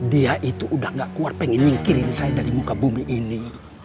dia itu udah gak keluar pengen ningkirin saya dari muka bumi ini